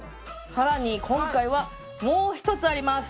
更に今回はもう１つあります。